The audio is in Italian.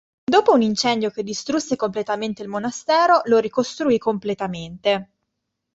Dopo un incendio che distrusse completamente il monastero, lo ricostruì completamente.